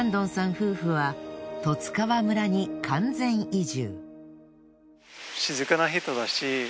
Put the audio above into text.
夫婦は十津川村に完全移住。